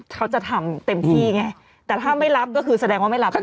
เขาจะทำเต็มที่ไงแต่ถ้าไม่รับก็คือแสดงว่าไม่รับ